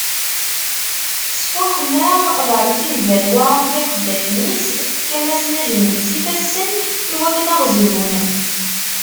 Tesfuḥem-aɣ ɣer Sid Balwa akked iqeddacen-is, tefkam-asen ajenwi s ifassen iwakken ad ɣ-zlun.